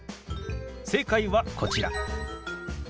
正解はこちら。